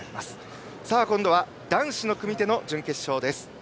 今度は、男子の組手の準決勝です。